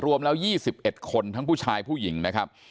รวมแล้ว๒๑คนทั้งผู้ชายผู้หญิงนะครับ